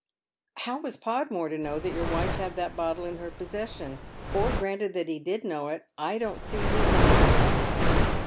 *' ".How was Podmore toknowthat yourwife had that bottle in her possession? or granted that he did know it, I don't see his motive."